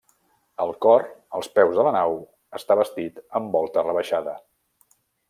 El cor, als peus de la nau, està bastit amb volta rebaixada.